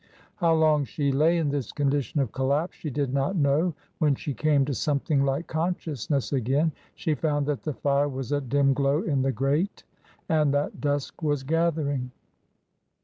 How long she lay in this condition of collapse she did not know ; when she came to something like consciousness again, she found that the fire was a dim glow in the grate and that dusk was gathering.